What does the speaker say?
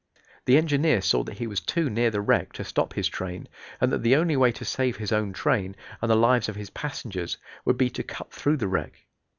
The engineer saw that he was too near the wreck to stop his train and that the only way to save his own train and the lives of his passengers would be to cut through the wreck.